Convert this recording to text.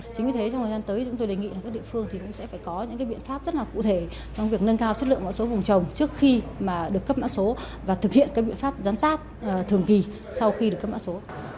chính vì thế trong thời gian tới chúng tôi đề nghị là các địa phương cũng sẽ phải có những biện pháp rất là cụ thể trong việc nâng cao chất lượng mã số vùng trồng trước khi mà được cấp mã số và thực hiện các biện pháp giám sát thường kỳ sau khi được cấp mã số